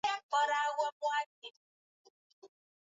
hii ya dawa ya kulevya hutolewa kwa mifumo ifuatayo